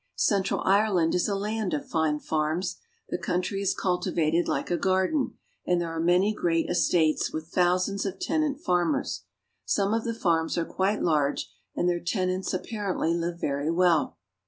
Central Ireland is a land of fine farms. The country is cultivated like a garden, and there are many great estates with thousands of tenant farmers. Some of the farms are quite large and their tenants apparently live very well.